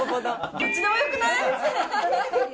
どっちでもよくない？